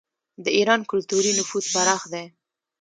د ایران کلتوري نفوذ پراخ دی.